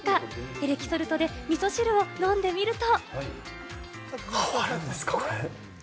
エレキソルトでみそ汁を飲んでみると。